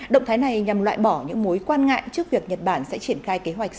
động thái này nhằm loại bỏ những mối quan ngại trước việc nhật bản sẽ triển khai kế hoạch